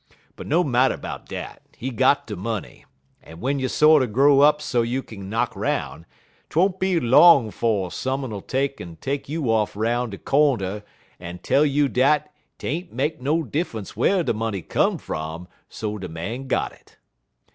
But no marter 'bout dat, he got de money; en w'en you sorter grow up so you kin knock 'roun', 't won't be long 'fo' some un'll take en take you off 'roun' de cornder en tell you dat 't ain't make no diffunce whar de money come fum so de man got it.